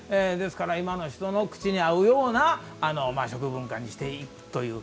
今の人の口に合うような食文化にしていくという。